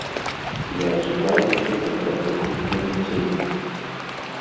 Я цікаўлюся як работнік медыцыны.